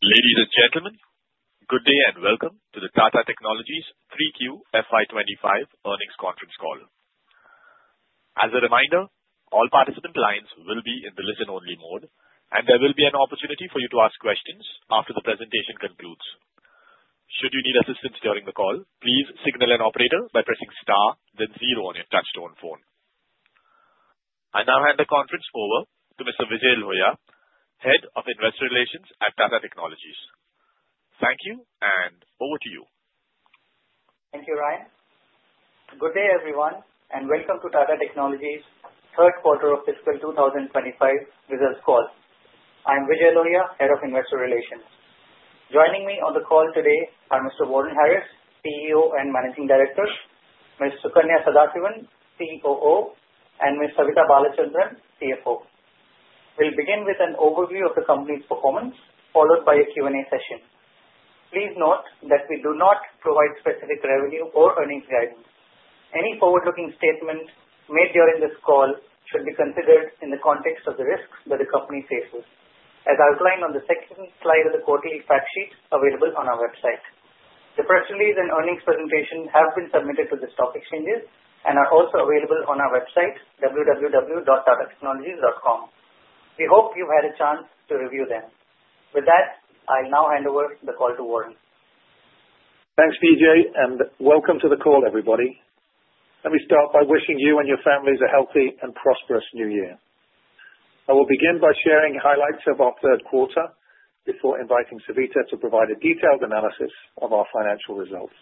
Ladies and gentlemen, good day and welcome to the Tata Technologies 3Q FY25 Earnings Conference Call. As a reminder, all participant lines will be in the listen-only mode, and there will be an opportunity for you to ask questions after the presentation concludes. Should you need assistance during the call, please signal an operator by pressing star, then zero on your touch-tone phone. I now hand the conference over to Mr. Vijay Lohia, Head of Investor Relations at Tata Technologies. Thank you, and over to you. Thank you, Ryan. Good day, everyone, and welcome to Tata Technologies' Third Quarter of Fiscal 2025 Business Call. I'm Vijay Lohia, Head of Investor Relations. Joining me on the call today are Mr. Warren Harris, CEO and Managing Director, Ms. Sukanya Sadasivan, COO, and Ms. Savitha Balachandran, CFO. We'll begin with an overview of the company's performance, followed by a Q&A session. Please note that we do not provide specific revenue or earnings guidance. Any forward-looking statement made during this call should be considered in the context of the risks that the company faces, as outlined on the second slide of the quarterly fact sheet available on our website. The press release and earnings presentation have been submitted to the stock exchanges and are also available on our website, www.tatatechnologies.com. We hope you've had a chance to review them. With that, I'll now hand over the call to Warren. Thanks, Vijay, and welcome to the call, everybody. Let me start by wishing you and your families a healthy and prosperous new year. I will begin by sharing highlights of our third quarter before inviting Savitha to provide a detailed analysis of our financial results.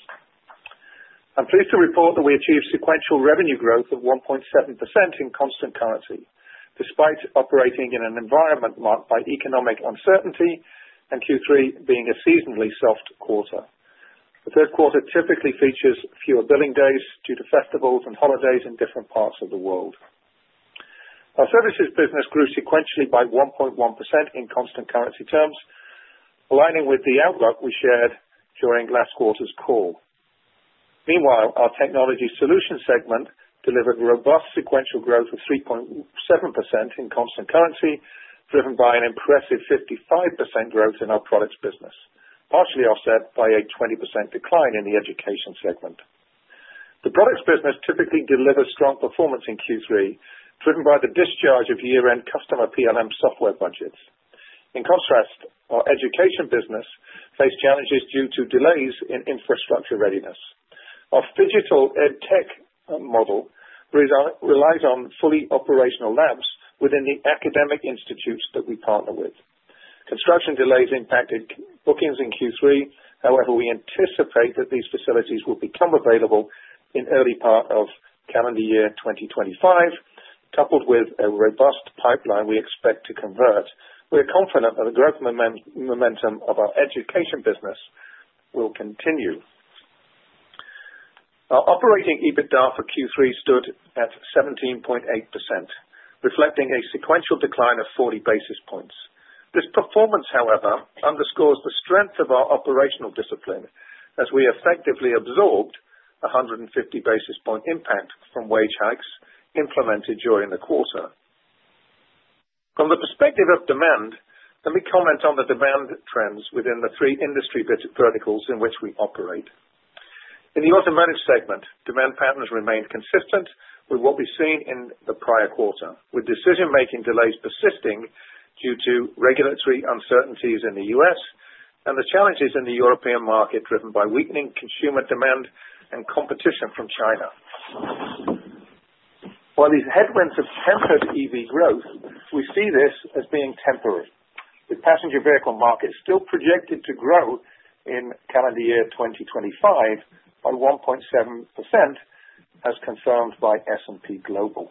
I'm pleased to report that we achieved sequential revenue growth of 1.7% in constant currency, despite operating in an environment marked by economic uncertainty and Q3 being a seasonally soft quarter. The third quarter typically features fewer billing days due to festivals and holidays in different parts of the world. Our services business grew sequentially by 1.1% in constant currency terms, aligning with the outlook we shared during last quarter's call. Meanwhile, our technology solution segment delivered robust sequential growth of 3.7% in constant currency, driven by an impressive 55% growth in our products business, partially offset by a 20% decline in the education segment. The products business typically delivers strong performance in Q3, driven by the discharge of year-end customer PLM software budgets. In contrast, our education business faced challenges due to delays in infrastructure readiness. Our phygital edtech model relies on fully operational labs within the academic institutes that we partner with. Construction delays impacted bookings in Q3. However, we anticipate that these facilities will become available in the early part of calendar year 2025, coupled with a robust pipeline we expect to convert. We're confident that the growth momentum of our education business will continue. Our operating EBITDA for Q3 stood at 17.8%, reflecting a sequential decline of 40 basis points. This performance, however, underscores the strength of our operational discipline, as we effectively absorbed a 150 basis point impact from wage hikes implemented during the quarter. From the perspective of demand, let me comment on the demand trends within the three industry verticals in which we operate. In the automotive segment, demand patterns remained consistent with what we've seen in the prior quarter, with decision-making delays persisting due to regulatory uncertainties in the U.S. and the challenges in the European market driven by weakening consumer demand and competition from China. While these headwinds have hampered EV growth, we see this as being temporary, with the passenger vehicle market still projected to grow in calendar year 2025 by 1.7%, as confirmed by S&P Global.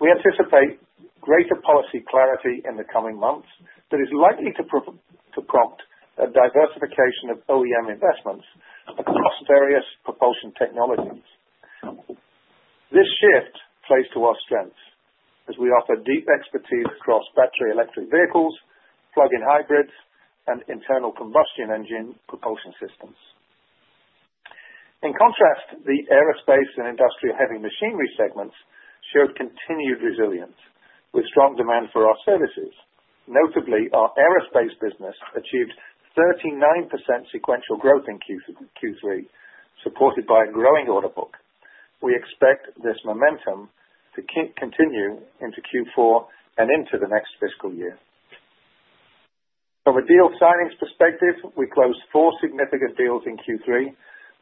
We anticipate greater policy clarity in the coming months that is likely to prompt a diversification of OEM investments across various propulsion technologies. This shift plays to our strengths as we offer deep expertise across battery electric vehicles, plug-in hybrids, and internal combustion engine propulsion systems. In contrast, the aerospace and industrial heavy machinery segments showed continued resilience, with strong demand for our services. Notably, our aerospace business achieved 39% sequential growth in Q3, supported by a growing order book. We expect this momentum to continue into Q4 and into the next fiscal year. From a deal signing perspective, we closed four significant deals in Q3,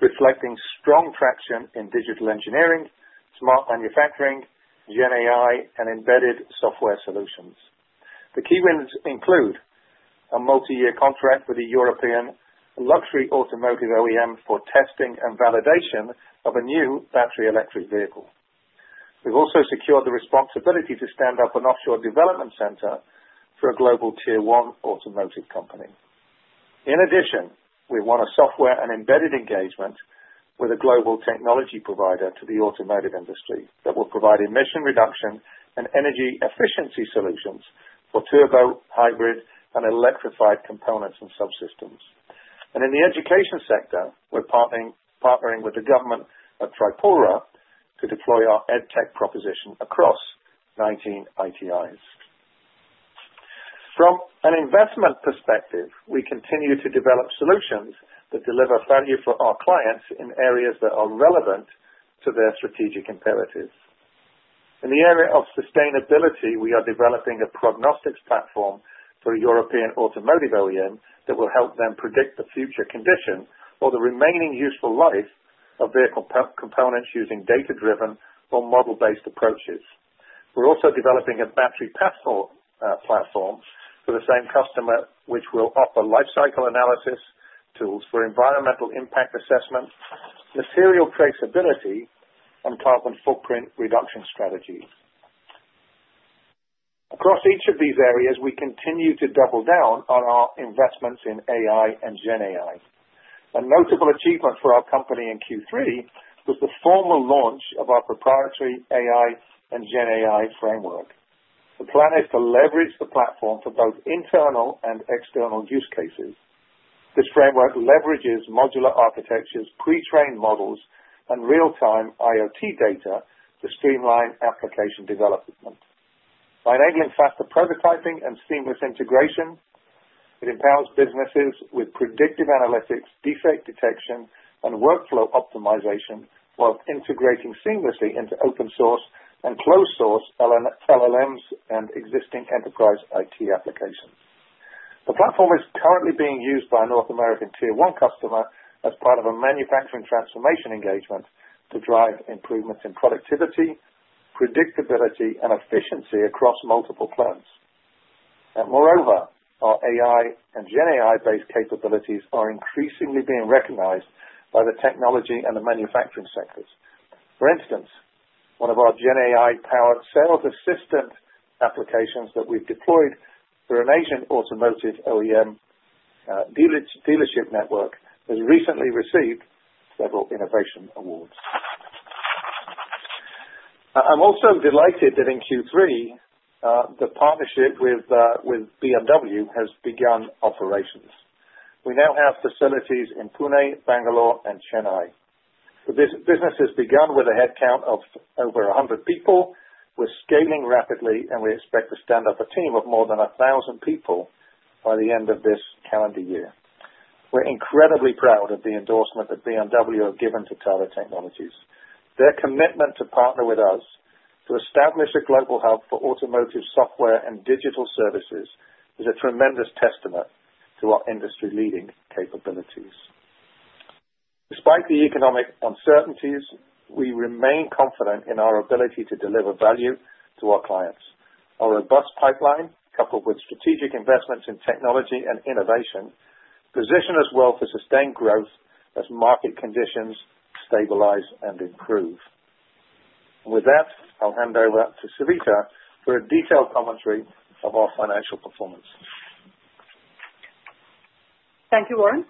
reflecting strong traction in digital engineering, smart manufacturing, GenAI, and embedded software solutions. The key wins include a multi-year contract with a European luxury automotive OEM for testing and validation of a new battery electric vehicle. We've also secured the responsibility to stand up an offshore development center for a global Tier-One automotive company. In addition, we won a software and embedded engagement with a global technology provider to the automotive industry that will provide emission reduction and energy efficiency solutions for turbo, hybrid, and electrified components and subsystems. In the education sector, we're partnering with the Government of Tripura to deploy our edtech proposition across 19 ITIs. From an investment perspective, we continue to develop solutions that deliver value for our clients in areas that are relevant to their strategic imperatives. In the area of sustainability, we are developing a prognostics platform for a European automotive OEM that will help them predict the future condition or the remaining useful life of vehicle components using data-driven or model-based approaches. We're also developing a battery platform for the same customer, which will offer lifecycle analysis tools for environmental impact assessment, material traceability, and carbon footprint reduction strategies. Across each of these areas, we continue to double down on our investments in AI and GenAI. A notable achievement for our company in Q3 was the formal launch of our proprietary AI and GenAI framework. The plan is to leverage the platform for both internal and external use cases. This framework leverages modular architectures, pre-trained models, and real-time IoT data to streamline application development. By enabling faster prototyping and seamless integration, it empowers businesses with predictive analytics, defect detection, and workflow optimization while integrating seamlessly into open-source and closed-source LLMs and existing enterprise IT applications. The platform is currently being used by a North American Tier-One customer as part of a manufacturing transformation engagement to drive improvements in productivity, predictability, and efficiency across multiple clouds. Moreover, our AI and GenAI-based capabilities are increasingly being recognized by the technology and the manufacturing sectors. For instance, one of our GenAI-powered sales assistant applications that we've deployed through an Asian automotive OEM dealership network has recently received several innovation awards. I'm also delighted that in Q3, the partnership with BMW has begun operations. We now have facilities in Pune, Bangalore, and Chennai. This business has begun with a headcount of over 100 people. We're scaling rapidly, and we expect to stand up a team of more than 1,000 people by the end of this calendar year. We're incredibly proud of the endorsement that BMW has given to Tata Technologies. Their commitment to partner with us to establish a global hub for automotive software and digital services is a tremendous testament to our industry-leading capabilities. Despite the economic uncertainties, we remain confident in our ability to deliver value to our clients. Our robust pipeline, coupled with strategic investments in technology and innovation, positions us well for sustained growth as market conditions stabilize and improve. With that, I'll hand over to Savitha for a detailed commentary of our financial performance. Thank you, Warren.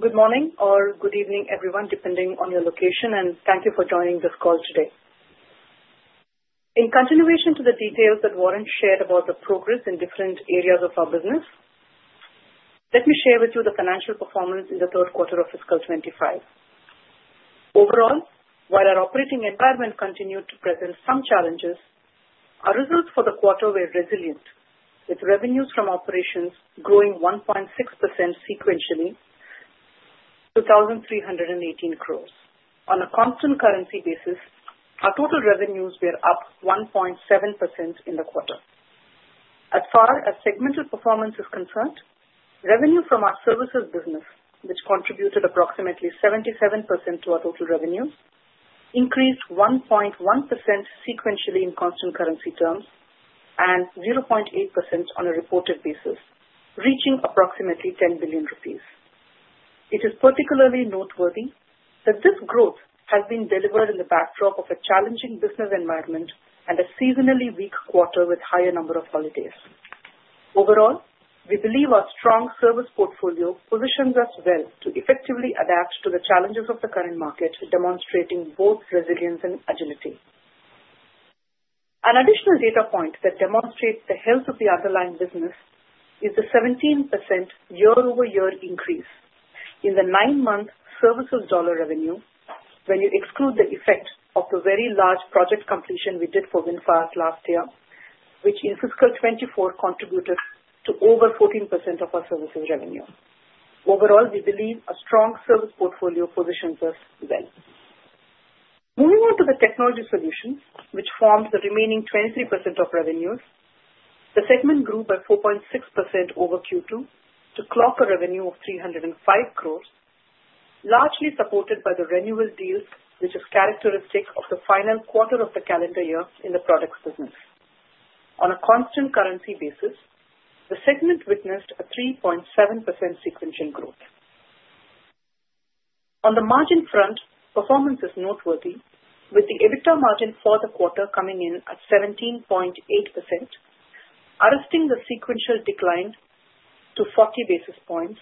Good morning or good evening, everyone, depending on your location, and thank you for joining this call today. In continuation to the details that Warren shared about the progress in different areas of our business, let me share with you the financial performance in the third quarter of fiscal 2025. Overall, while our operating environment continued to present some challenges, our results for the quarter were resilient, with revenues from operations growing 1.6% sequentially to 1,318 crores. On a constant currency basis, our total revenues were up 1.7% in the quarter. As far as segmental performance is concerned, revenue from our services business, which contributed approximately 77% to our total revenues, increased 1.1% sequentially in constant currency terms and 0.8% on a reported basis, reaching approximately 10 billion rupees. It is particularly noteworthy that this growth has been delivered in the backdrop of a challenging business environment and a seasonally weak quarter with a higher number of holidays. Overall, we believe our strong service portfolio positions us well to effectively adapt to the challenges of the current market, demonstrating both resilience and agility. An additional data point that demonstrates the health of the underlying business is the 17% year-over-year increase in the nine-month services dollar revenue, when you exclude the effect of the very large project completion we did for VinFast last year, which in fiscal 2024 contributed to over 14% of our services revenue. Overall, we believe a strong service portfolio positions us well. Moving on to the technology solutions, which formed the remaining 23% of revenues, the segment grew by 4.6% over Q2 to clock a revenue of ₹305 crores, largely supported by the renewal deals, which are characteristic of the final quarter of the calendar year in the products business. On a constant currency basis, the segment witnessed a 3.7% sequential growth. On the margin front, performance is noteworthy, with the EBITDA margin for the quarter coming in at 17.8%, arresting the sequential decline to 40 basis points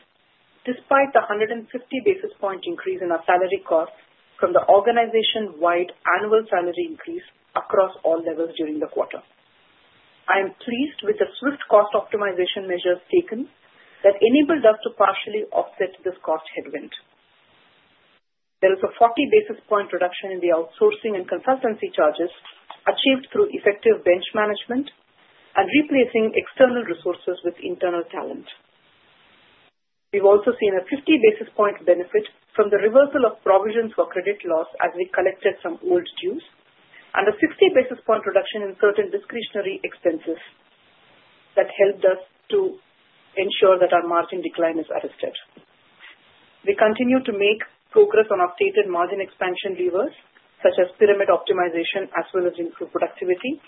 despite the 150 basis point increase in our salary costs from the organization-wide annual salary increase across all levels during the quarter. I am pleased with the swift cost optimization measures taken that enabled us to partially offset this cost headwind. There is a 40 basis point reduction in the outsourcing and consultancy charges achieved through effective bench management and replacing external resources with internal talent. We've also seen a 50 basis point benefit from the reversal of provisions for credit loss as we collected some old dues and a 60 basis point reduction in certain discretionary expenses that helped us to ensure that our margin decline is arrested. We continue to make progress on our stated margin expansion levers, such as pyramid optimization as well as improved productivity,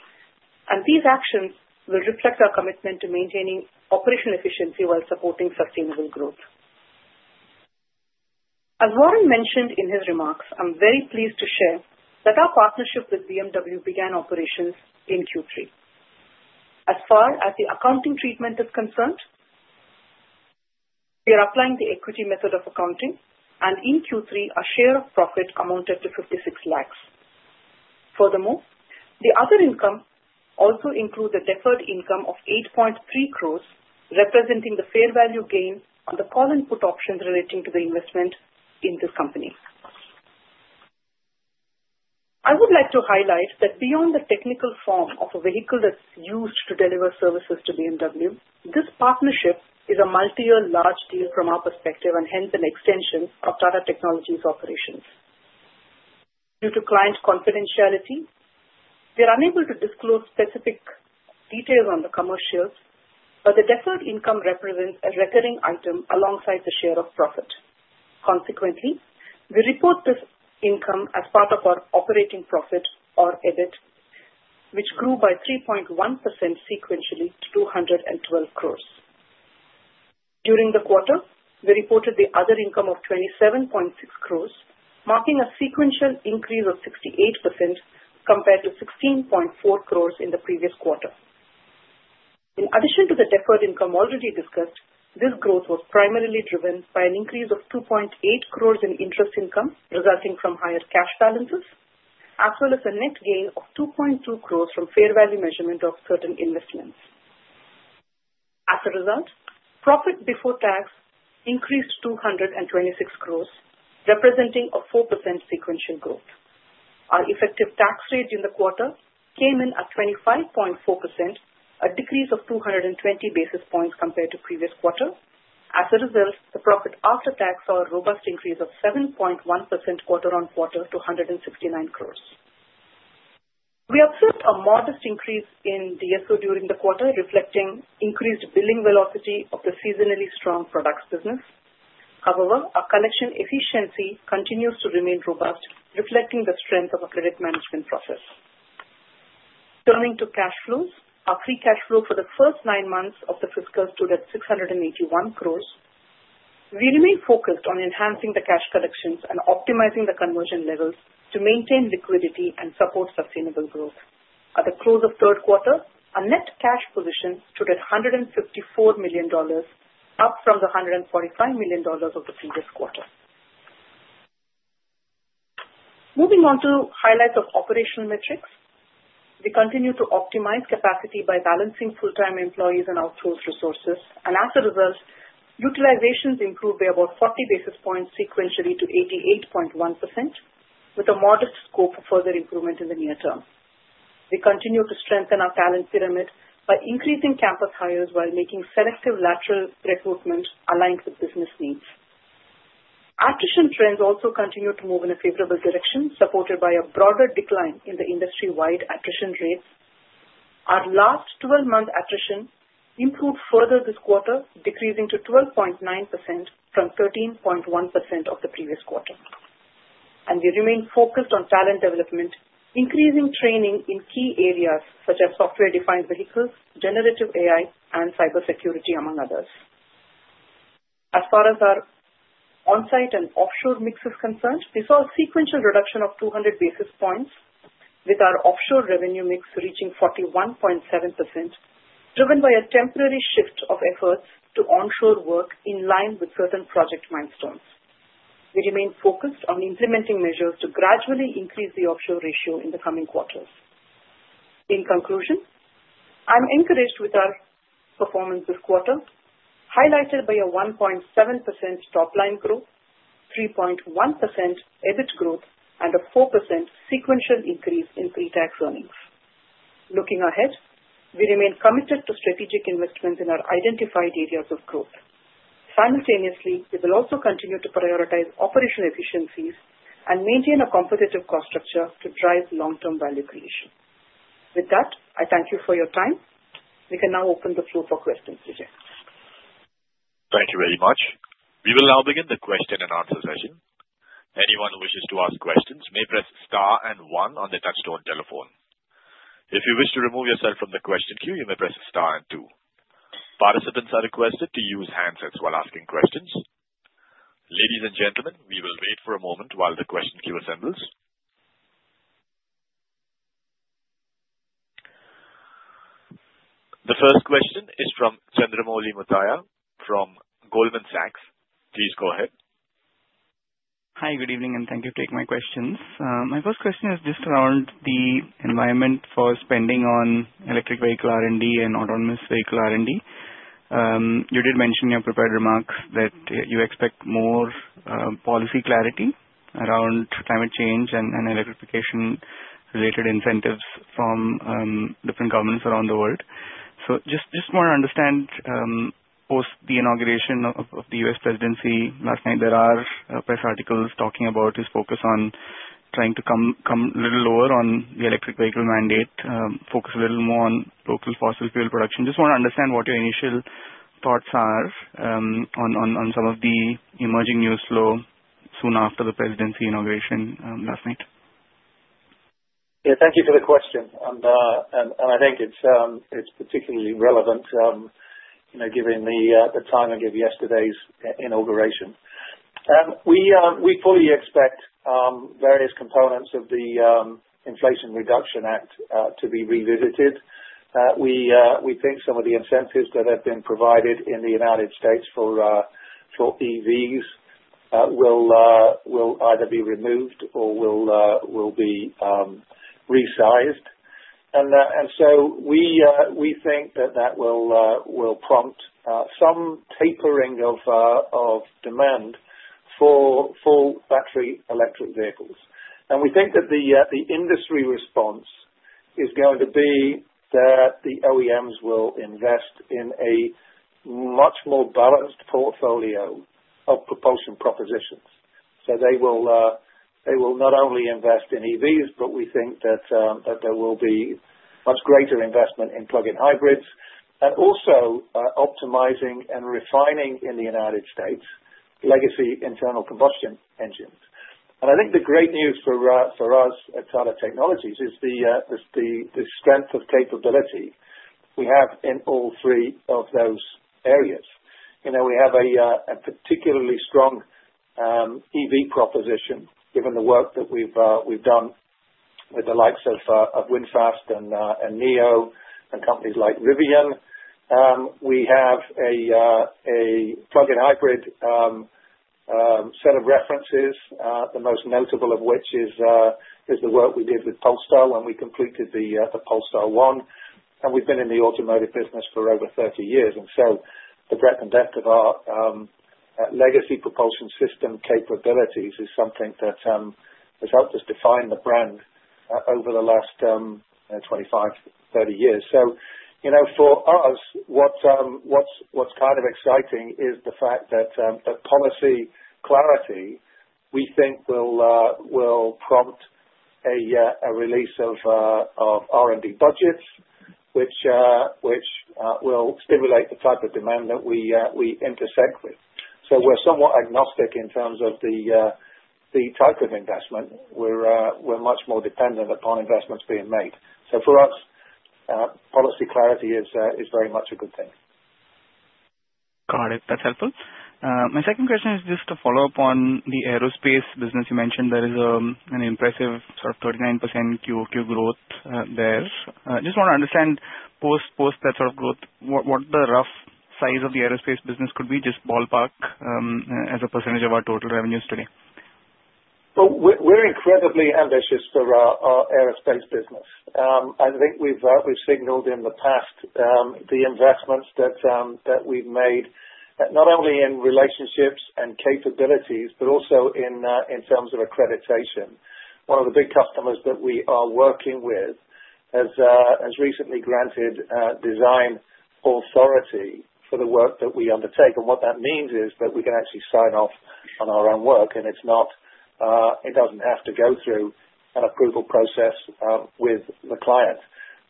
and these actions will reflect our commitment to maintaining operational efficiency while supporting sustainable growth. As Warren mentioned in his remarks, I'm very pleased to share that our partnership with BMW began operations in Q3. As far as the accounting treatment is concerned, we are applying the equity method of accounting, and in Q3, our share of profit amounted to 56 lakhs. Furthermore, the other income also includes a deferred income of 8.3 crores, representing the fair value gain on the call and put options relating to the investment in this company. I would like to highlight that beyond the technical form of a vehicle that's used to deliver services to BMW, this partnership is a multi-year large deal from our perspective and hence an extension of Tata Technologies operations. Due to client confidentiality, we are unable to disclose specific details on the commercials, but the deferred income represents a recurring item alongside the share of profit. Consequently, we report this income as part of our operating profit or EBIT, which grew by 3.1% sequentially to 212 crores. During the quarter, we reported the other income of 27.6 crores, marking a sequential increase of 68% compared to 16.4 crores in the previous quarter. In addition to the deferred income already discussed, this growth was primarily driven by an increase of 2.8 crores in interest income resulting from higher cash balances, as well as a net gain of 2.2 crores from fair value measurement of certain investments. As a result, profit before tax increased 226 crores, representing a 4% sequential growth. Our effective tax rate in the quarter came in at 25.4%, a decrease of 220 basis points compared to previous quarter. As a result, the profit after tax saw a robust increase of 7.1% quarter-on-quarter to 169 crores. We observed a modest increase in the DSO during the quarter, reflecting increased billing velocity of the seasonally strong products business. However, our collection efficiency continues to remain robust, reflecting the strength of our credit management process. Turning to cash flows, our free cash flow for the first nine months of the fiscal stood at 681 crores. We remain focused on enhancing the cash collections and optimizing the conversion levels to maintain liquidity and support sustainable growth. At the close of third quarter, our net cash position stood at $154 million, up from the $145 million of the previous quarter. Moving on to highlights of operational metrics, we continue to optimize capacity by balancing full-time employees and outsource resources, and as a result, utilization improved by about 40 basis points sequentially to 88.1%, with a modest scope for further improvement in the near term. We continue to strengthen our talent pyramid by increasing campus hires while making selective lateral recruitment aligned with business needs. Attrition trends also continue to move in a favorable direction, supported by a broader decline in the industry-wide attrition rates. Our last 12-month attrition improved further this quarter, decreasing to 12.9% from 13.1% of the previous quarter, and we remain focused on talent development, increasing training in key areas such as software-defined vehicles, generative AI, and cybersecurity, among others. As far as our onsite and offshore mix is concerned, we saw a sequential reduction of 200 basis points, with our offshore revenue mix reaching 41.7%, driven by a temporary shift of efforts to onshore work in line with certain project milestones. We remain focused on implementing measures to gradually increase the offshore ratio in the coming quarters. In conclusion, I'm encouraged with our performance this quarter, highlighted by a 1.7% top-line growth, 3.1% EBIT growth, and a 4% sequential increase in pre-tax earnings. Looking ahead, we remain committed to strategic investments in our identified areas of growth. Simultaneously, we will also continue to prioritize operational efficiencies and maintain a competitive cost structure to drive long-term value creation. With that, I thank you for your time. We can now open the floor for questions, Richard. Thank you very much. We will now begin the question-and-answer session. Anyone who wishes to ask questions may press Star and 1 on the touch-tone telephone. If you wish to remove yourself from the question queue, you may press Star and 2. Participants are requested to use handsets while asking questions. Ladies and gentlemen, we will wait for a moment while the question queue assembles. The first question is from Chandramouli Muthiah from Goldman Sachs. Please go ahead. Hi, good evening, and thank you for taking my questions. My first question is just around the environment for spending on electric vehicle R&D and autonomous vehicle R&D. You did mention in your prepared remarks that you expect more policy clarity around climate change and electrification-related incentives from different governments around the world, so just want to understand, post the inauguration of the U.S. presidency last night, there are press articles talking about his focus on trying to come a little lower on the electric vehicle mandate, focus a little more on local fossil fuel production. Just want to understand what your initial thoughts are on some of the emerging news flow soon after the presidency inauguration last night. Yeah, thank you for the question. And I think it's particularly relevant given the timing of yesterday's inauguration. We fully expect various components of the Inflation Reduction Act to be revisited. We think some of the incentives that have been provided in the United States for EVs will either be removed or will be resized. And so we think that that will prompt some tapering of demand for battery electric vehicles. And we think that the industry response is going to be that the OEMs will invest in a much more balanced portfolio of propulsion propositions. So they will not only invest in EVs, but we think that there will be much greater investment in plug-in hybrids and also optimizing and refining in the United States legacy internal combustion engines. And I think the great news for us at Tata Technologies is the strength of capability we have in all three of those areas. We have a particularly strong EV proposition given the work that we've done with the likes of VinFast and NIO and companies like Rivian. We have a plug-in hybrid set of references, the most notable of which is the work we did with Polestar when we completed the Polestar 1. And we've been in the automotive business for over 30 years. And so the breadth and depth of our legacy propulsion system capabilities is something that has helped us define the brand over the last 25, 30 years. So for us, what's kind of exciting is the fact that policy clarity, we think, will prompt a release of R&D budgets, which will stimulate the type of demand that we intersect with. So we're somewhat agnostic in terms of the type of investment. We're much more dependent upon investments being made. So for us, policy clarity is very much a good thing. Got it. That's helpful. My second question is just to follow up on the aerospace business. You mentioned there is an impressive sort of 39% QOQ growth there. Just want to understand post that sort of growth, what the rough size of the aerospace business could be, just ballpark, as a percentage of our total revenues today. We're incredibly ambitious for our aerospace business. I think we've signaled in the past the investments that we've made, not only in relationships and capabilities, but also in terms of accreditation. One of the big customers that we are working with has recently granted design authority for the work that we undertake. What that means is that we can actually sign off on our own work, and it doesn't have to go through an approval process with the client.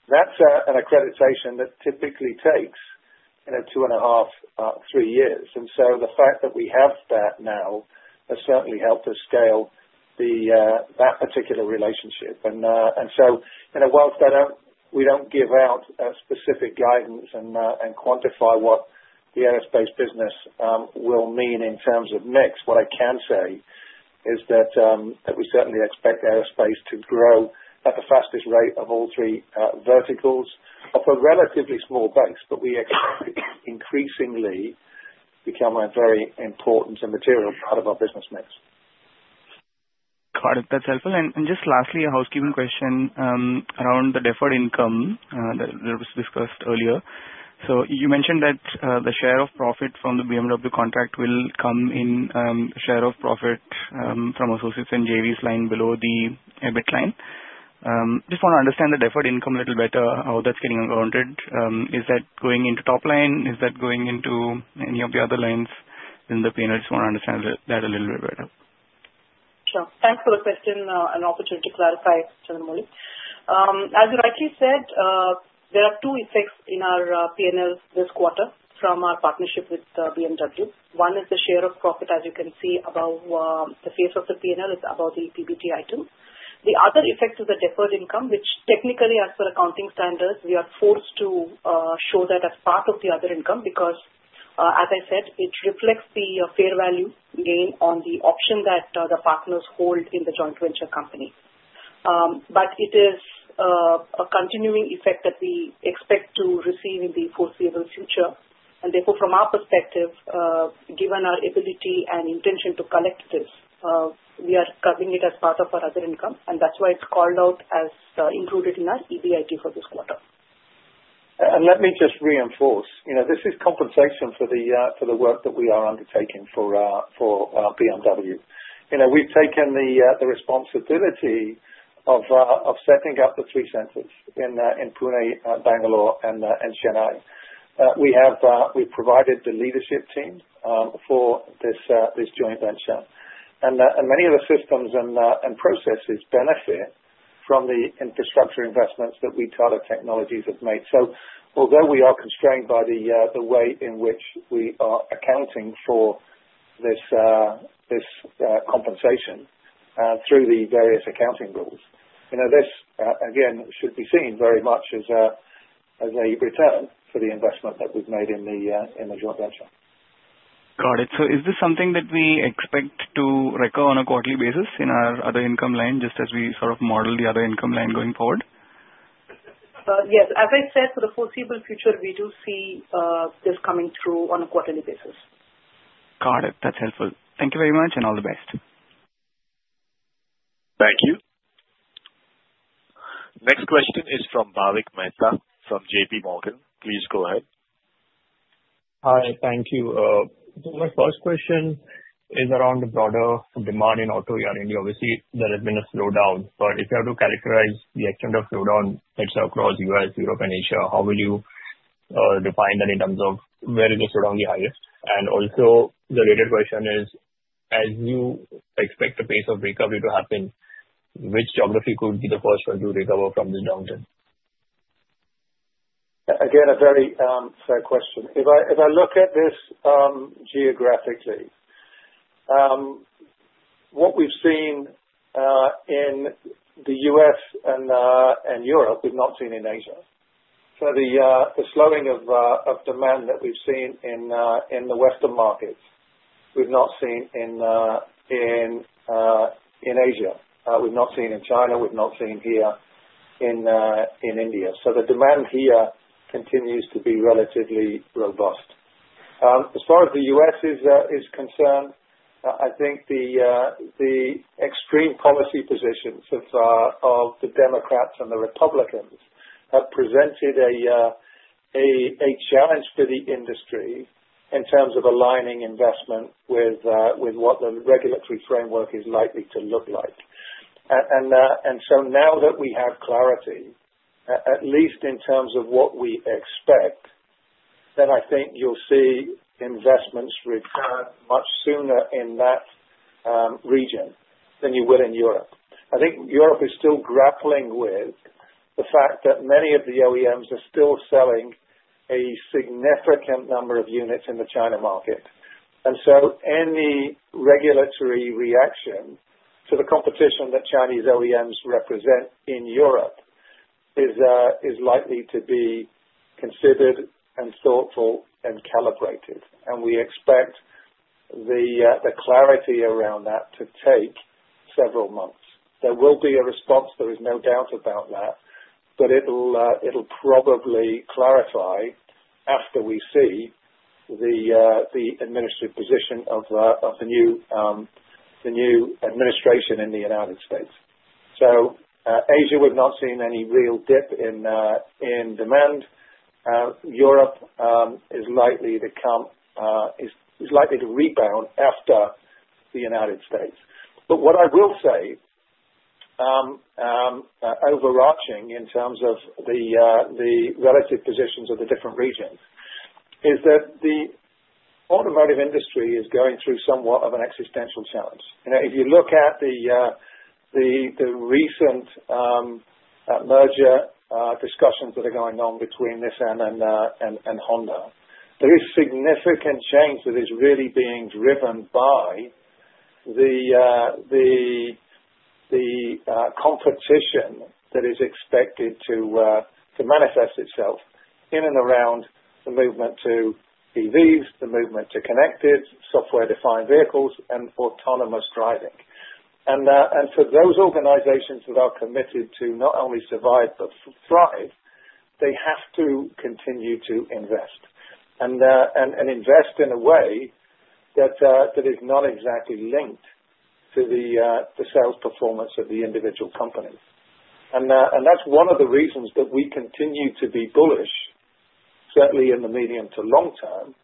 That's an accreditation that typically takes two-and-a-half to three years. The fact that we have that now has certainly helped us scale that particular relationship. While we don't give out specific guidance and quantify what the aerospace business will mean in terms of mix, what I can say is that we certainly expect aerospace to grow at the fastest rate of all three verticals off a relatively small base, but we expect it to increasingly become a very important and material part of our business mix. Got it. That's helpful. And just lastly, a housekeeping question around the deferred income that was discussed earlier. So you mentioned that the share of profit from the BMW contract will come in the share of profit from associates and JVs line below the EBIT line. Just want to understand the deferred income a little better, how that's getting accounted. Is that going into top line? Is that going into any of the other lines in the P&L? Just want to understand that a little bit better. Sure. Thanks for the question and opportunity to clarify, Chandramouli. As you rightly said, there are two effects in our P&L this quarter from our partnership with BMW. One is the share of profit, as you can see, above the face of the P&L is about the EBIT item. The other effect is the deferred income, which technically, as per accounting standards, we are forced to show that as part of the other income because, as I said, it reflects the fair value gain on the option that the partners hold in the joint venture company, but it is a continuing effect that we expect to receive in the foreseeable future. Therefore, from our perspective, given our ability and intention to collect this, we are covering it as part of our other income. That's why it's called out as included in our EBIT for this quarter. Let me just reinforce. This is compensation for the work that we are undertaking for BMW. We've taken the responsibility of setting up the three centers in Pune, Bangalore, and Chennai. We've provided the leadership team for this joint venture. And many of the systems and processes benefit from the infrastructure investments that we Tata Technologies have made. Although we are constrained by the way in which we are accounting for this compensation through the various accounting rules, this, again, should be seen very much as a return for the investment that we've made in the joint venture. Got it. So is this something that we expect to recur on a quarterly basis in our other income line, just as we sort of model the other income line going forward? Yes. As I said, for the foreseeable future, we do see this coming through on a quarterly basis. Got it. That's helpful. Thank you very much and all the best. Thank you. Next question is from Bhavik Mehta from JPMorgan. Please go ahead. Hi. Thank you. My first question is around the broader demand in auto R&D. Obviously, there has been a slowdown. But if you have to characterize the extent of slowdown across the U.S., Europe, and Asia, how will you define that in terms of where is the slowdown the highest? And also, the related question is, as you expect the pace of recovery to happen, which geography could be the first one to recover from this downturn? Again, a very fair question. If I look at this geographically, what we've seen in the U.S. and Europe, we've not seen in Asia. So the slowing of demand that we've seen in the Western markets, we've not seen in Asia. We've not seen in China. We've not seen here in India. So the demand here continues to be relatively robust. As far as the U.S. is concerned, I think the extreme policy positions of the Democrats and the Republicans have presented a challenge for the industry in terms of aligning investment with what the regulatory framework is likely to look like. And so now that we have clarity, at least in terms of what we expect, then I think you'll see investments return much sooner in that region than you would in Europe. I think Europe is still grappling with the fact that many of the OEMs are still selling a significant number of units in the China market, and so any regulatory reaction to the competition that Chinese OEMs represent in Europe is likely to be considered and thoughtful and calibrated, and we expect the clarity around that to take several months. There will be a response. There is no doubt about that, but it'll probably clarify after we see the administrative position of the new administration in the United States, so Asia, we've not seen any real dip in demand. Europe is likely to rebound after the United States, but what I will say, overarching in terms of the relative positions of the different regions, is that the automotive industry is going through somewhat of an existential challenge. If you look at the recent merger discussions that are going on between Nissan and Honda, there is significant change that is really being driven by the competition that is expected to manifest itself in and around the movement to EVs, the movement to connected, software-defined vehicles, and autonomous driving, and for those organizations that are committed to not only survive but thrive, they have to continue to invest and invest in a way that is not exactly linked to the sales performance of the individual company, and that's one of the reasons that we continue to be bullish, certainly in the medium to long term,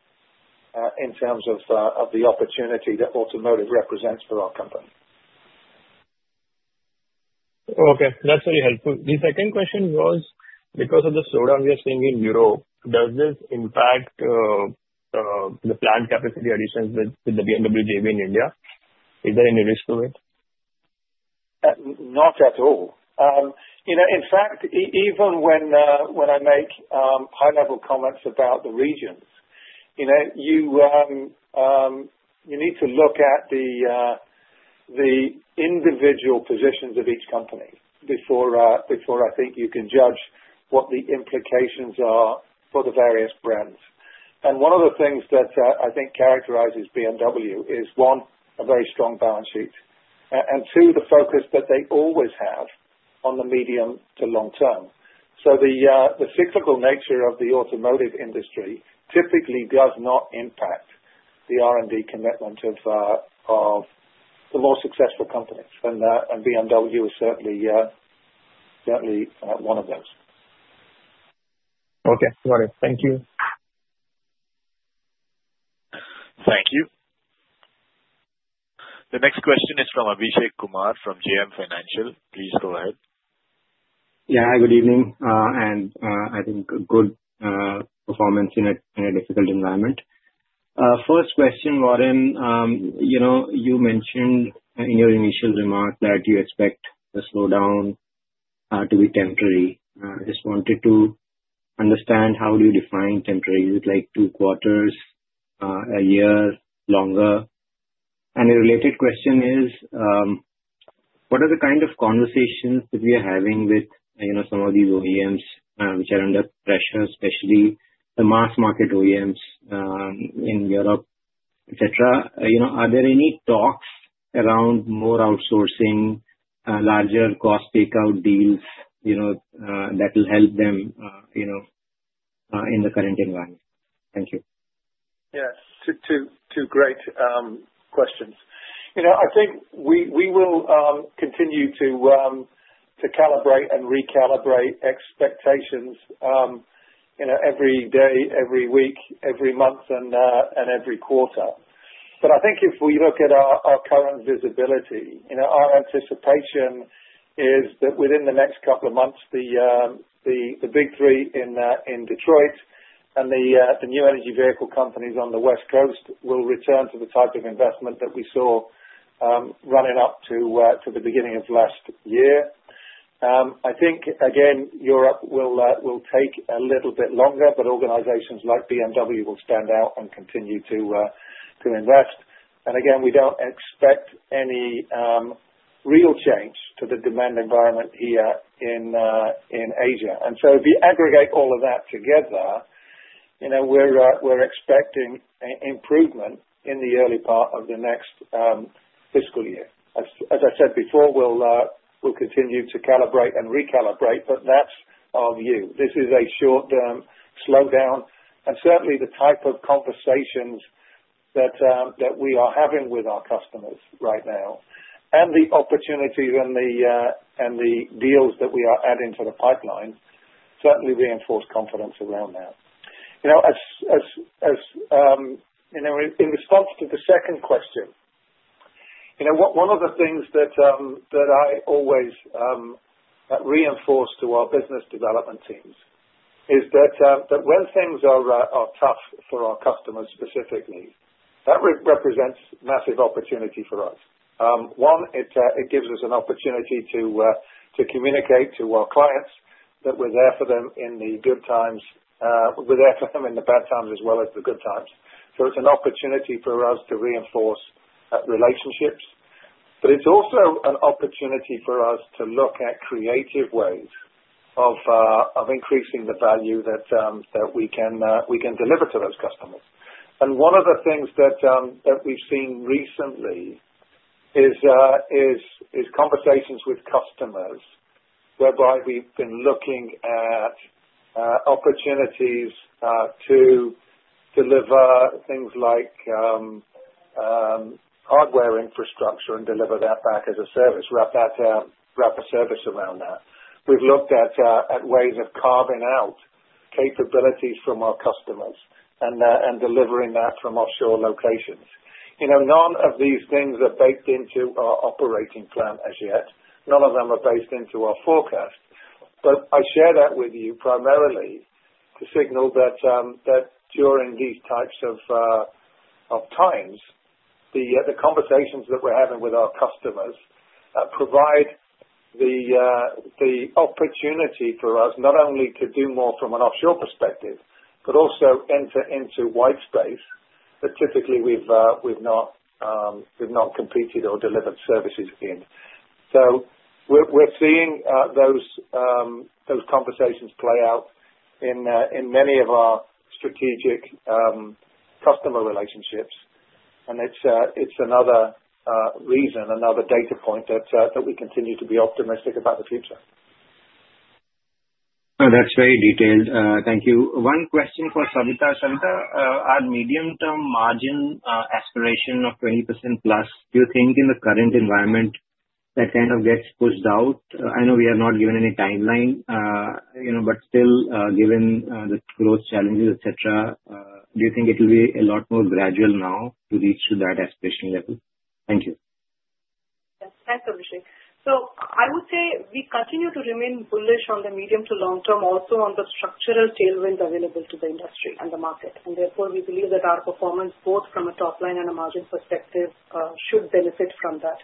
in terms of the opportunity that automotive represents for our company. Okay. That's really helpful. The second question was, because of the slowdown we are seeing in Europe, does this impact the planned capacity additions with the BMW JV in India? Is there any risk to it? Not at all. In fact, even when I make high-level comments about the regions, you need to look at the individual positions of each company before I think you can judge what the implications are for the various brands, and one of the things that I think characterizes BMW is one, a very strong balance sheet, and two, the focus that they always have on the medium to long term, so the cyclical nature of the automotive industry typically does not impact the R&D commitment of the more successful companies. And BMW is certainly one of those. Okay. Got it. Thank you. Thank you. The next question is from Abhishek Kumar from JM Financial. Please go ahead. Yeah. Hi. Good evening, and I think good performance in a difficult environment. First question, Warren, you mentioned in your initial remark that you expect the slowdown to be temporary. I just wanted to understand how do you define temporary. Is it like two quarters, a year, longer? And a related question is, what are the kind of conversations that we are having with some of these OEMs which are under pressure, especially the mass market OEMs in Europe, etc.? Are there any talks around more outsourcing, larger cost takeout deals that will help them in the current environment? Thank you. Yes. Two great questions. I think we will continue to calibrate and recalibrate expectations every day, every week, every month, and every quarter. But I think if we look at our current visibility, our anticipation is that within the next couple of months, the Big Three in Detroit and the new energy vehicle companies on the West Coast will return to the type of investment that we saw running up to the beginning of last year. I think, again, Europe will take a little bit longer, but organizations like BMW will stand out and continue to invest. And again, we don't expect any real change to the demand environment here in Asia. And so if you aggregate all of that together, we're expecting improvement in the early part of the next fiscal year. As I said before, we'll continue to calibrate and recalibrate, but that's our view. This is a short-term slowdown, and certainly, the type of conversations that we are having with our customers right now and the opportunities and the deals that we are adding to the pipeline certainly reinforce confidence around that. In response to the second question, one of the things that I always reinforce to our business development teams is that when things are tough for our customers specifically, that represents massive opportunity for us. One, it gives us an opportunity to communicate to our clients that we're there for them in the good times. We're there for them in the bad times as well as the good times. So it's an opportunity for us to reinforce relationships. But it's also an opportunity for us to look at creative ways of increasing the value that we can deliver to those customers. One of the things that we've seen recently is conversations with customers whereby we've been looking at opportunities to deliver things like hardware infrastructure and deliver that back as a service, wrap a service around that. We've looked at ways of carving out capabilities from our customers and delivering that from offshore locations. None of these things are baked into our operating plan as yet. None of them are baked into our forecast. I share that with you primarily to signal that during these types of times, the conversations that we're having with our customers provide the opportunity for us not only to do more from an offshore perspective but also enter into white space that typically we've not competed or delivered services in. We're seeing those conversations play out in many of our strategic customer relationships. It's another reason, another data point that we continue to be optimistic about the future. That's very detailed. Thank you. One question for Savitha. Savitha, our medium-term margin aspiration of 20% plus, do you think in the current environment that kind of gets pushed out? I know we are not given any timeline, but still, given the growth challenges, etc., do you think it will be a lot more gradual now to reach that aspiration level? Thank you. Yes. Thanks, Abhishek. So I would say we continue to remain bullish on the medium to long term, also on the structural tailwinds available to the industry and the market. And therefore, we believe that our performance, both from a top-line and a margin perspective, should benefit from that.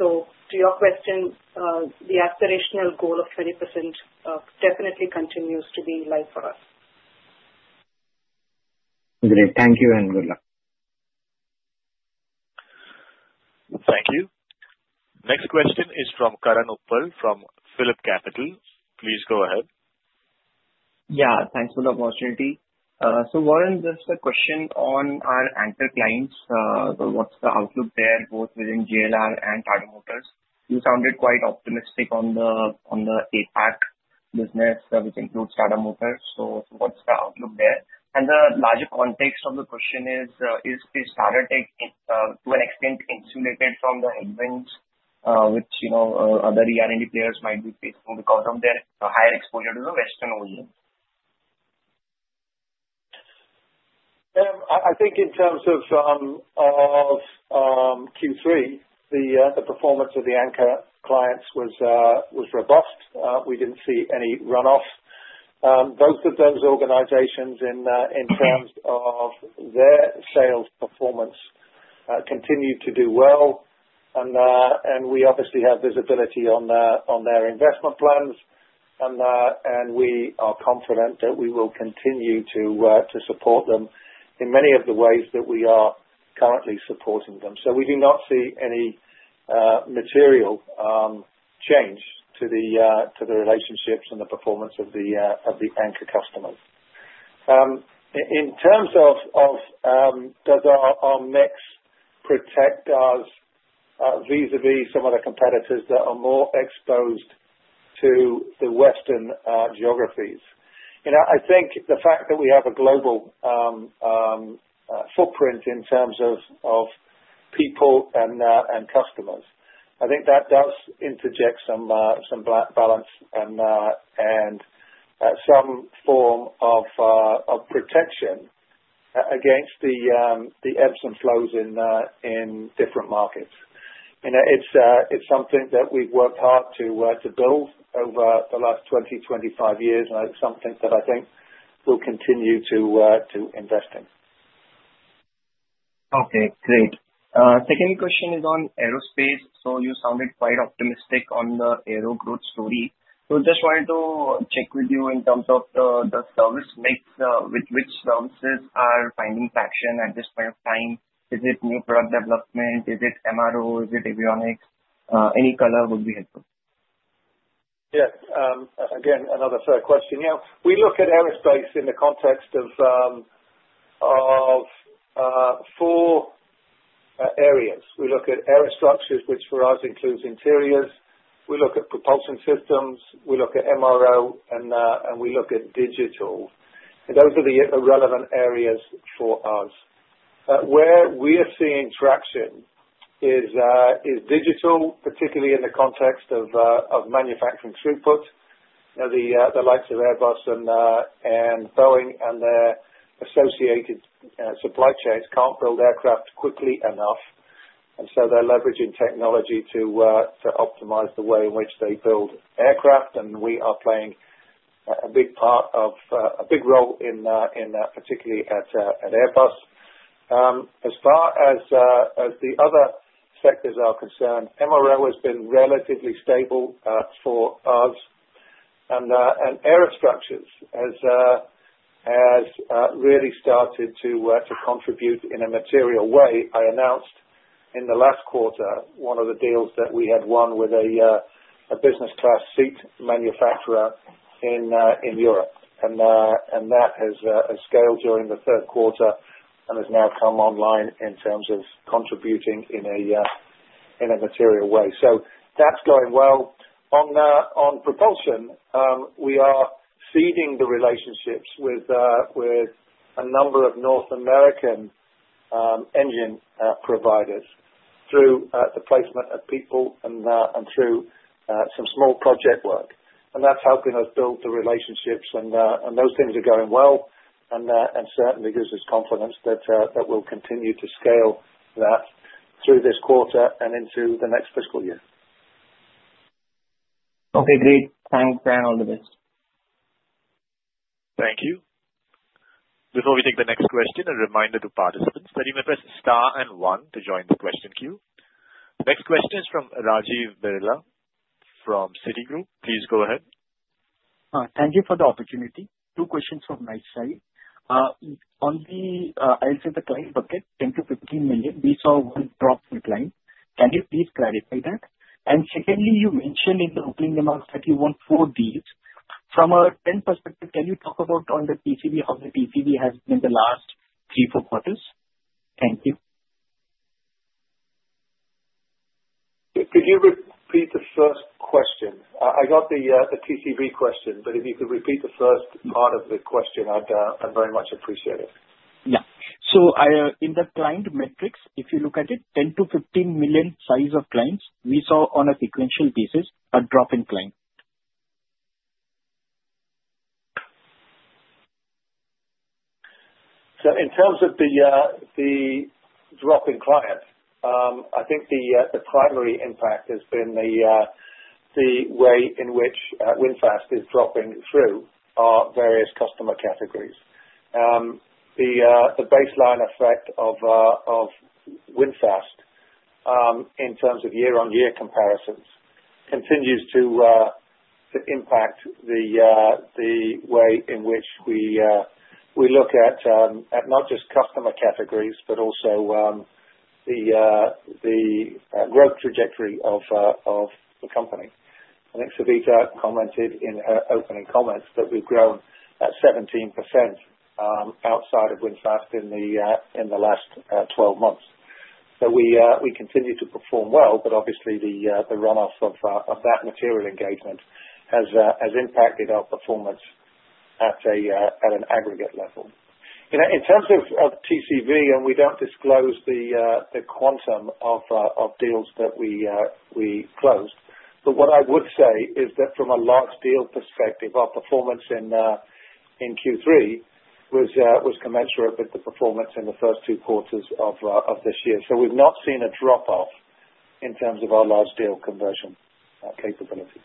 So to your question, the aspirational goal of 20% definitely continues to be in sight for us. Great. Thank you and good luck. Thank you. Next question is from Karan Uppal from PhillipCapital. Please go ahead. Yeah. Thanks for the opportunity. So Warren, just a question on our anchor clients. What's the outlook there both within JLR and Tata Motors? You sounded quite optimistic on the APAC business, which includes Tata Motors. So what's the outlook there? And the larger context of the question is, is Tata Tech, to an extent, insulated from the headwinds which other ER&D players might be facing because of their higher exposure to the Western OEMs? I think in terms of Q3, the performance of the anchor clients was robust. We didn't see any runoff. Both of those organizations, in terms of their sales performance, continued to do well. And we obviously have visibility on their investment plans. And we are confident that we will continue to support them in many of the ways that we are currently supporting them. So we do not see any material change to the relationships and the performance of the anchor customers. In terms of, does our mix protect us vis-à-vis some of the competitors that are more exposed to the Western geographies? I think the fact that we have a global footprint in terms of people and customers, I think that does interject some balance and some form of protection against the ebbs and flows in different markets. It's something that we've worked hard to build over the last 20-25 years, and it's something that I think we'll continue to invest in. Okay. Great. Second question is on aerospace. So you sounded quite optimistic on the aero growth story. So just wanted to check with you in terms of the service mix, which services are finding traction at this point of time? Is it new product development? Is it MRO? Is it avionics? Any color would be helpful. Yes. Again, another fair question. We look at aerospace in the context of four areas. We look at aerostructures, which for us includes interiors. We look at propulsion systems. We look at MRO, and we look at digital. Those are the relevant areas for us. Where we are seeing traction is digital, particularly in the context of manufacturing throughput. The likes of Airbus and Boeing and their associated supply chains can't build aircraft quickly enough. And so they're leveraging technology to optimize the way in which they build aircraft. And we are playing a big part of a big role in that, particularly at Airbus. As far as the other sectors are concerned, MRO has been relatively stable for us. And aerostructures have really started to contribute in a material way. I announced in the last quarter one of the deals that we had won with a business-class seat manufacturer in Europe. And that has scaled during the third quarter and has now come online in terms of contributing in a material way. So that's going well. On propulsion, we are feeding the relationships with a number of North American engine providers through the placement of people and through some small project work. And that's helping us build the relationships. And those things are going well and certainly gives us confidence that we'll continue to scale that through this quarter and into the next fiscal year. Okay. Great. Thanks, Karan Uppal. Thank you. Before we take the next question, a reminder to participants that you may press star and one to join the question queue. The next question is from Rajiv Berlia from Citigroup. Please go ahead. Thank you for the opportunity. Two questions from my side. On the aerospace client bucket, $10-15 million, we saw one drop in client. Can you please clarify that? And secondly, you mentioned in the opening remarks that you want four deals. From a trend perspective, can you talk about on the TCV how the TCV has been in the last three, four quarters? Thank you. Could you repeat the first question? I got the TCV question, but if you could repeat the first part of the question, I'd very much appreciate it. Yeah, so in the client metrics, if you look at it, 10-15 million size of clients, we saw on a sequential basis a drop in client. So in terms of the drop in client, I think the primary impact has been the way in which VinFast is dropping through our various customer categories. The baseline effect of VinFast in terms of year-on-year comparisons continues to impact the way in which we look at not just customer categories but also the growth trajectory of the company. I think Savitha commented in her opening comments that we've grown at 17% outside of VinFast in the last 12 months. So we continue to perform well, but obviously, the runoff of that material engagement has impacted our performance at an aggregate level. In terms of TCV, and we don't disclose the quantum of deals that we closed, but what I would say is that from a large deal perspective, our performance in Q3 was commensurate with the performance in the first two quarters of this year. We've not seen a drop-off in terms of our large deal conversion capability.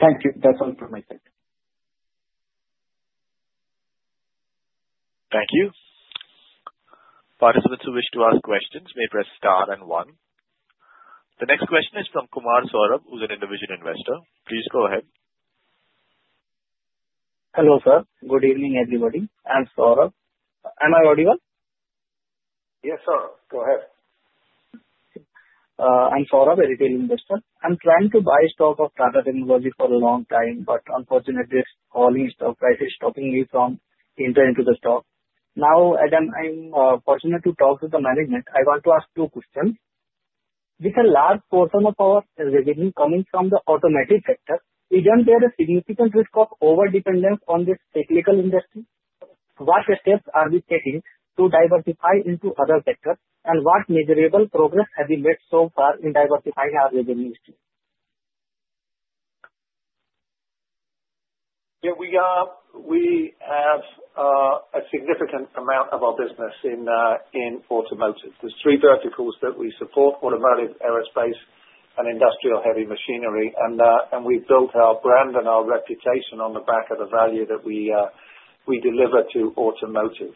Thank you. That's all from my side. Thank you. Participants who wish to ask questions may press star and one. The next question is from Kumar Saurabh, who's an individual investor. Please go ahead. Hello sir. Good evening, everybody. I'm Saurabh. Am I audible? Yes, sir. Go ahead. I'm Kumar Saurabh, a retail investor. I'm trying to buy stock of Tata Technologies for a long time, but unfortunately, this falling stock price is stopping me from entering into the stock. Now, again, I'm fortunate to talk to the management. I want to ask two questions. With a large portion of our revenue coming from the automotive sector, do we bear a significant risk of over-dependence on this automotive industry? What steps are we taking to diversify into other sectors, and what measurable progress have we made so far in diversifying our revenue stream? Yeah. We have a significant amount of our business in automotive. There's three verticals that we support: automotive, aerospace, and industrial-heavy machinery. And we've built our brand and our reputation on the back of the value that we deliver to automotive.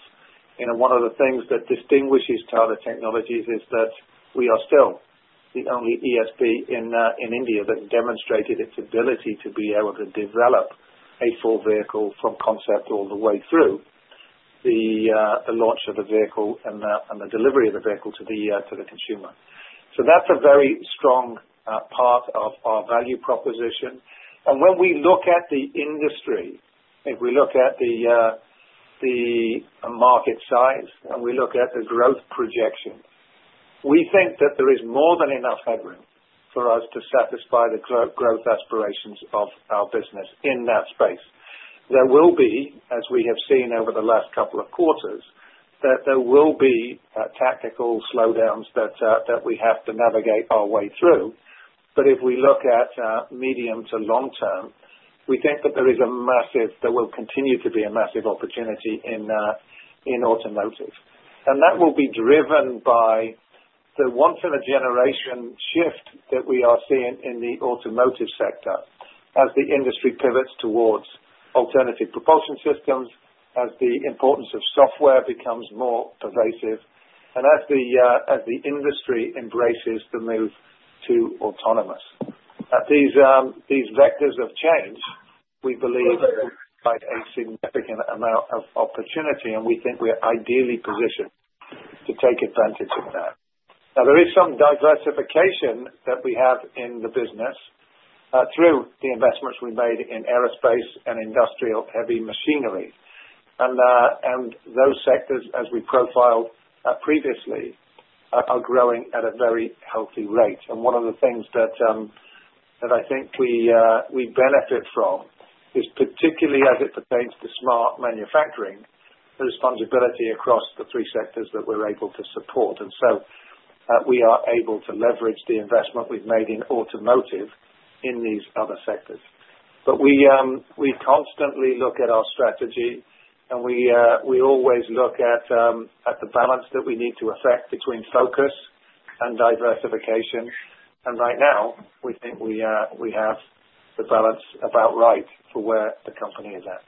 One of the things that distinguishes Tata Technologies is that we are still the only ESP in India that demonstrated its ability to be able to develop a full vehicle from concept all the way through the launch of the vehicle and the delivery of the vehicle to the consumer. So that's a very strong part of our value proposition. And when we look at the industry, if we look at the market size and we look at the growth projection, we think that there is more than enough headroom for us to satisfy the growth aspirations of our business in that space. There will be, as we have seen over the last couple of quarters, that there will be tactical slowdowns that we have to navigate our way through. But if we look at medium to long term, we think that there will continue to be a massive opportunity in automotive. And that will be driven by the once-in-a-generation shift that we are seeing in the automotive sector as the industry pivots towards alternative propulsion systems, as the importance of software becomes more pervasive, and as the industry embraces the move to autonomous. These vectors of change, we believe, will provide a significant amount of opportunity, and we think we're ideally positioned to take advantage of that. Now, there is some diversification that we have in the business through the investments we made in aerospace and industrial-heavy machinery. And those sectors, as we profiled previously, are growing at a very healthy rate. And one of the things that I think we benefit from is, particularly as it pertains to smart manufacturing, the responsibility across the three sectors that we're able to support. And so we are able to leverage the investment we've made in automotive in these other sectors. But we constantly look at our strategy, and we always look at the balance that we need to affect between focus and diversification. And right now, we think we have the balance about right for where the company is at.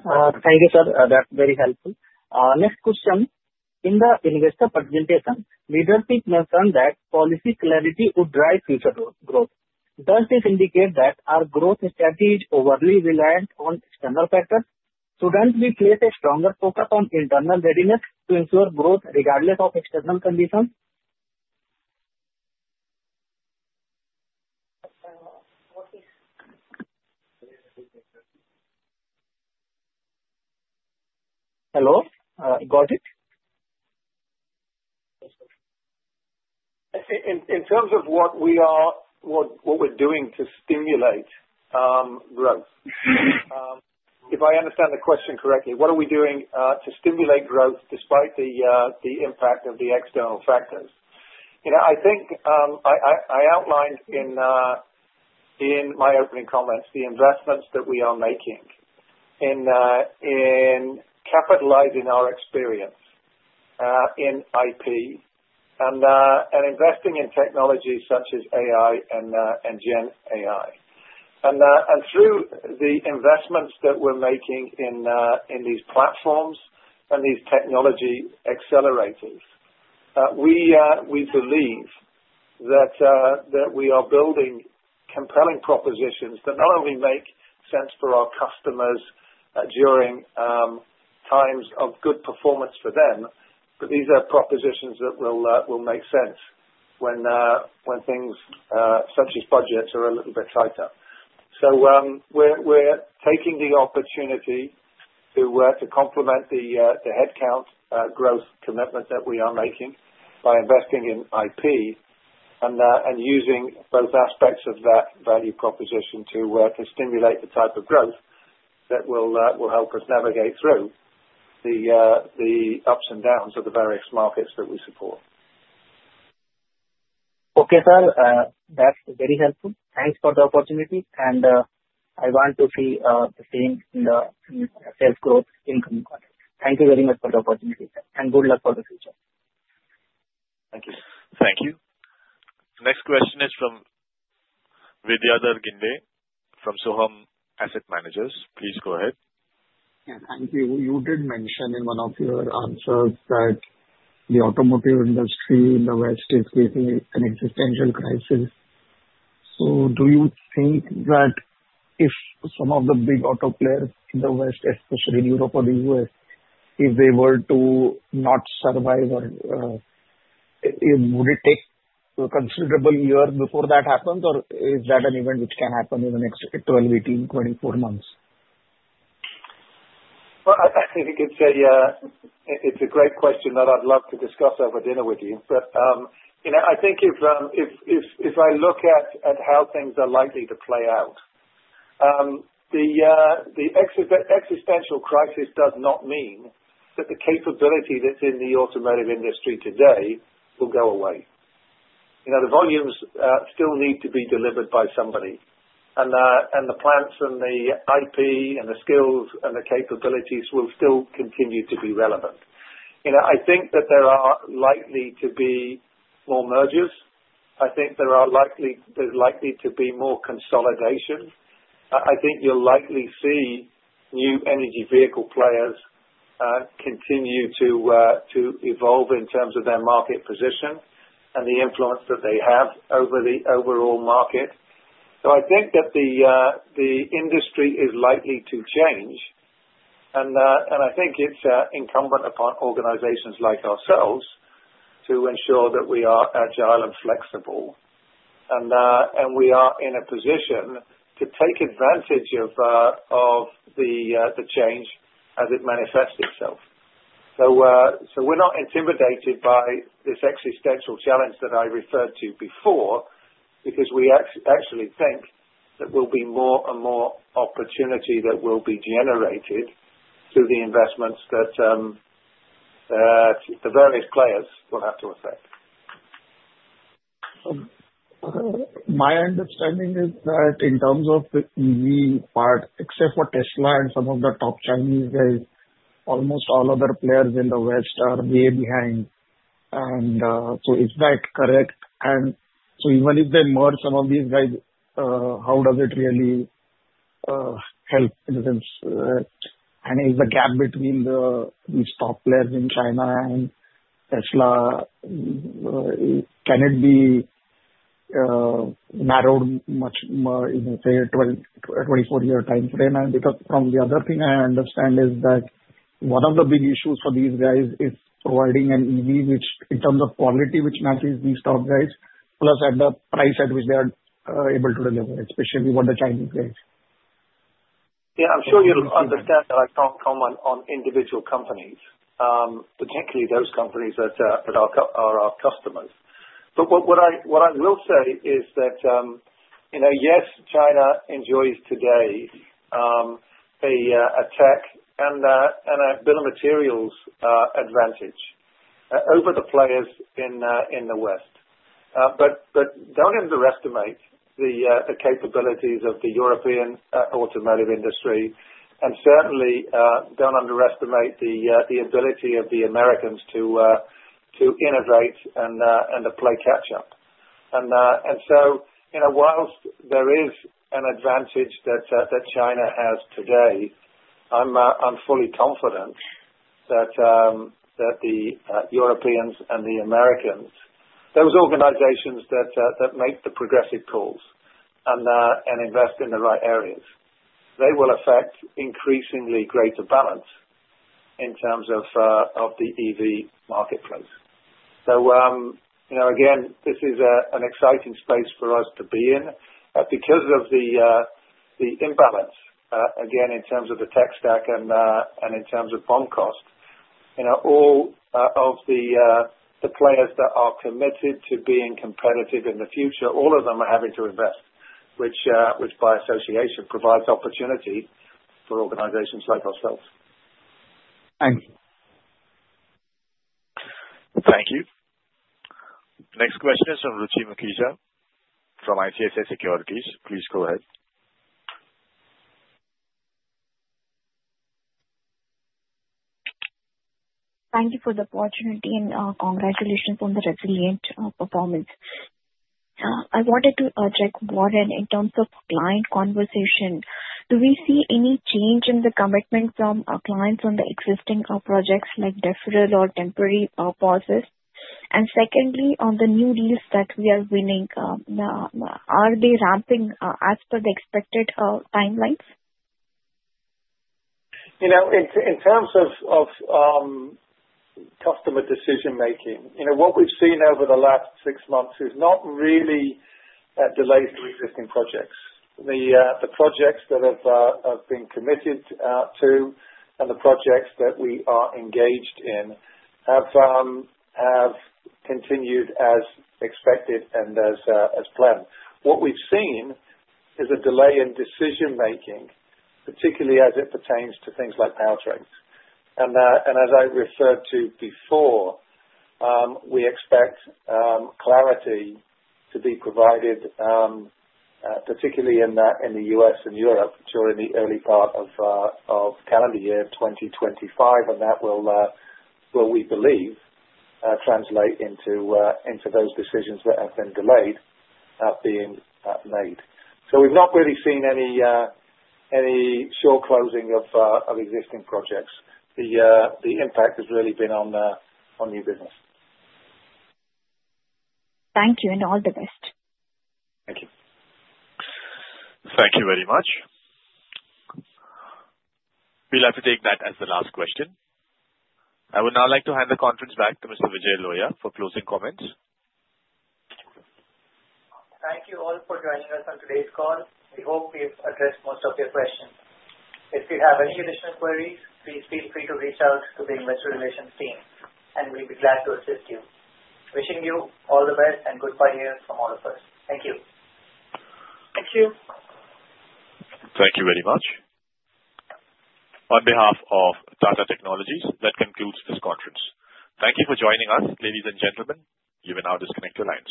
Thank you, sir. That's very helpful. Next question. In the investor presentation, leadership mentioned that policy clarity would drive future growth. Does this indicate that our growth strategy is overly reliant on external factors? Shouldn't we place a stronger focus on internal readiness to ensure growth regardless of external conditions? Hello? Got it? In terms of what we're doing to stimulate growth, if I understand the question correctly, what are we doing to stimulate growth despite the impact of the external factors? I think I outlined in my opening comments the investments that we are making in capitalizing our experience in IP and investing in technologies such as AI and GenAI. And through the investments that we're making in these platforms and these technology accelerators, we believe that we are building compelling propositions that not only make sense for our customers during times of good performance for them, but these are propositions that will make sense when things such as budgets are a little bit tighter. We're taking the opportunity to complement the headcount growth commitment that we are making by investing in IP and using both aspects of that value proposition to stimulate the type of growth that will help us navigate through the ups and downs of the various markets that we support. Okay, sir. That's very helpful. Thanks for the opportunity, and I want to see the same in the sales growth income project. Thank you very much for the opportunity, sir, and good luck for the future. Thank you. Thank you. The next question is from Vidyadhar Ginde from Sohum Asset Managers. Please go ahead. Yeah. Thank you. You did mention in one of your answers that the automotive industry in the West is facing an existential crisis. So do you think that if some of the big auto players in the West, especially in Europe or the US, if they were to not survive, would it take a considerable year before that happens, or is that an event which can happen in the next 12, 18, 24 months? I think it's a great question that I'd love to discuss over dinner with you. I think if I look at how things are likely to play out, the existential crisis does not mean that the capability that's in the automotive industry today will go away. The volumes still need to be delivered by somebody, and the plants and the IP and the skills and the capabilities will still continue to be relevant. I think that there are likely to be more mergers. I think there's likely to be more consolidation. I think you'll likely see new energy vehicle players continue to evolve in terms of their market position and the influence that they have over the overall market. So I think that the industry is likely to change, and I think it's incumbent upon organizations like ourselves to ensure that we are agile and flexible, and we are in a position to take advantage of the change as it manifests itself. So we're not intimidated by this existential challenge that I referred to before because we actually think that there will be more and more opportunity that will be generated through the investments that the various players will have to effect. My understanding is that in terms of the EV part, except for Tesla and some of the top Chinese guys, almost all other players in the West are way behind. And so is that correct? And so even if they merge some of these guys, how does it really help in a sense? And is the gap between these top players in China and Tesla, can it be narrowed much more in, say, a 2-4 year time frame? And because from the other thing I understand is that one of the big issues for these guys is providing an EV in terms of quality which matches these top guys, plus at the price at which they are able to deliver, especially for the Chinese guys. Yeah. I'm sure you'll understand that I can't comment on individual companies, particularly those companies that are our customers. But what I will say is that, yes, China enjoys today a tech and a bill of materials advantage over the players in the West, but don't underestimate the capabilities of the European automotive industry, and certainly don't underestimate the ability of the Americans to innovate and to play catch-up. And so whilst there is an advantage that China has today, I'm fully confident that the Europeans and the Americans, those organizations that make the progressive calls and invest in the right areas, they will affect increasingly greater balance in terms of the EV marketplace. So again, this is an exciting space for us to be in. Because of the imbalance, again, in terms of the tech stack and in terms of BOM cost, all of the players that are committed to being competitive in the future, all of them are having to invest, which by association provides opportunity for organizations like ourselves. Thank you. Thank you. Next question is from Ruchi Burde Mukhija from Elara Capital. Please go ahead. Thank you for the opportunity and congratulations on the resilient performance. I wanted to check, Warren, in terms of client conversation, do we see any change in the commitment from clients on the existing projects like deferral or temporary pauses? And secondly, on the new deals that we are winning, are they ramping as per the expected timelines? In terms of customer decision-making, what we've seen over the last six months is not really delays to existing projects. The projects that have been committed to and the projects that we are engaged in have continued as expected and as planned. What we've seen is a delay in decision-making, particularly as it pertains to things like powertrains. And as I referred to before, we expect clarity to be provided, particularly in the U.S. and Europe, during the early part of calendar year 2025, and that will, we believe, translate into those decisions that have been delayed being made. So we've not really seen any short closing of existing projects. The impact has really been on new business. Thank you, and all the best. Thank you. Thank you very much. We'd like to take that as the last question. I would now like to hand the conference back to Mr. Vidyadhar Ginde for closing comments. Thank you all for joining us on today's call. We hope we've addressed most of your questions. If you have any additional queries, please feel free to reach out to the investor relations team, and we'll be glad to assist you. Wishing you all the best and goodbye here from all of us. Thank you. Thank you. Thank you very much. On behalf of Tata Technologies, that concludes this conference. Thank you for joining us, ladies and gentlemen. You may now disconnect the line.